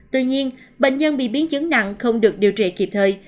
tuy nhiên bệnh nhân bị biến chứng nặng không được điều trị kịp thời